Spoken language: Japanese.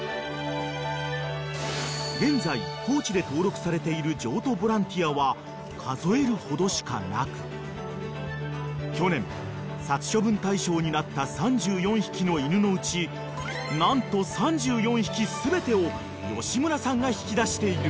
［現在高知で登録されている譲渡ボランティアは数えるほどしかなく去年殺処分対象になった３４匹の犬のうち何と３４匹全てを吉村さんが引き出している］